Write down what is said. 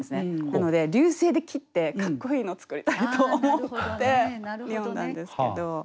なので流星で切ってかっこいいのを作りたいと思って詠んだんですけど。